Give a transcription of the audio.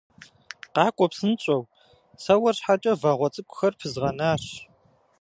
Къакӏуэ псынщӏэу, сэ уэр щхьэкӏэ вагъуэ цӏыкӏухэр пызгъэнащ.